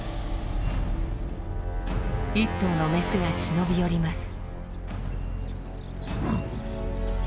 １頭のメスが忍び寄ります。